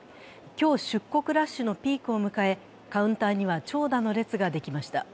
今日、出国ラッシュのピークを迎えカウンターには長蛇の列ができました。